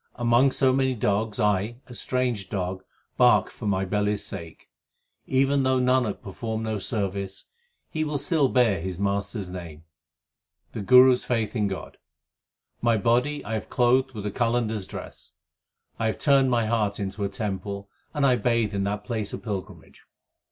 Among so many dogs I, a strange dog, bark for my belly s sake. Even though Nanak perform no service, he will still bear his Master s name The Guru s faith in God. My body I have clothed with a Qalandar s dress, I have turned my heart into a temple, and I bathe in that place of pilgrimage.